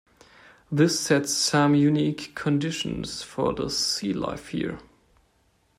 This sets some unique conditions for the sealife here.